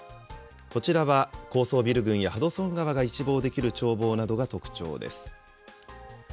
こちらは高層ビル群やハドソン川が一望できる眺望などが特徴です。